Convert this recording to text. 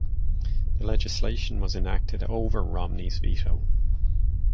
The legislation was enacted over Romney's veto.